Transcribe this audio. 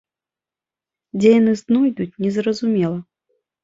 Дзе яны знойдуць, незразумела?